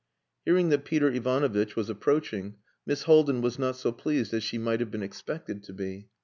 Hearing that Peter Ivanovitch was approaching, Miss Haldin was not so pleased as she might have been expected to be.